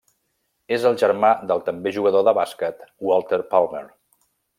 És el germà del també jugador de bàsquet Walter Palmer.